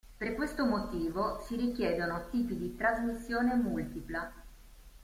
Per questo motivo si richiedono tipi di trasmissione multipla.